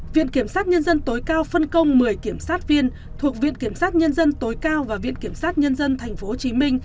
viện kiểm sát nhân dân tối cao phân công một mươi kiểm sát viên thuộc viện kiểm sát nhân dân tối cao và viện kiểm sát nhân dân tp hcm